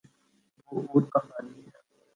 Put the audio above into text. وہ اورکہانی ہے۔